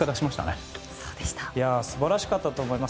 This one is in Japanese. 素晴らしかったと思います。